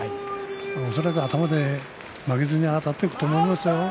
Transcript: それが頭で負けずにあたっていくと思いますよ